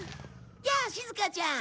やあしずかちゃん！